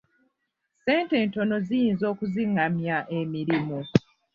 Ssente entono ziyinza okizingamya emirimu.